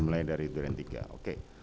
mulai dari duren tiga oke